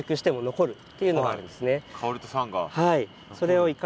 はい。